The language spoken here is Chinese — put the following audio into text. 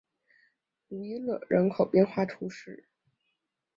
鲁伊勒人口变化图示